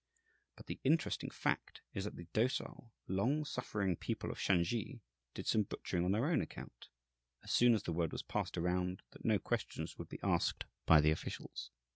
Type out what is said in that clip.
But the interesting fact is that the docile, long suffering people of Shansi did some butchering on their own account, as soon as the word was passed around that no questions would be asked by the officials.